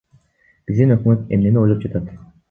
Биздин өкмөт эмнени ойлоп жатат?